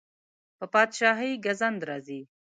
په پادشاهۍ ګزند راځي.